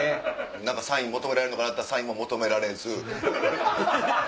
サイン求められるかと思ったらサインも求められず。